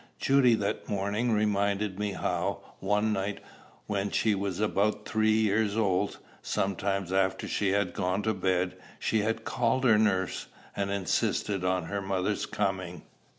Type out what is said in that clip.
Judy that morning reminded me how, one night, when she was about three years old, some time after she had gone to bed, she had called her nurse, and insisted on her mother's coming.